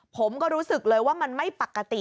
ผมก็รู้สึกเลยว่ามันไม่ปกติ